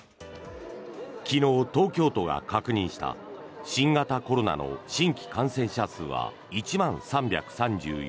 昨日、東京都が確認した新型コロナの新規感染者数は１万３３４人。